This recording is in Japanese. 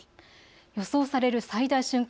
予想される最大瞬間